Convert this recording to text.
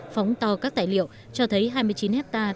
phóng to các tài liệu cho thấy hai mươi chín hectare